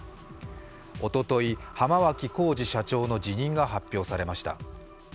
おととい、浜脇浩次社長の辞任が発表されました。